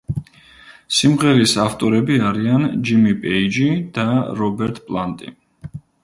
სიმღერის ავტორები არიან ჯიმი პეიჯი და რობერტ პლანტი.